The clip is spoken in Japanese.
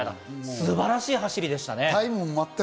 素晴らしい走りでしたね。